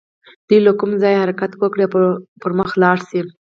دوی له کوم ځايه حرکت وکړي او پر مخ لاړ شي.